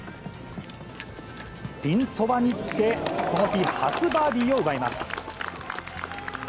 ピンそばにつけ、この日初バーディーを奪います。